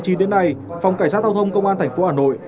từ sáu tháng chín đến nay phòng cảnh sát thao thông công an tp hà nội